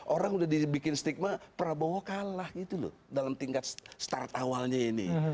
orang udah dibikin stigma prabowo kalah gitu loh dalam tingkat start awalnya ini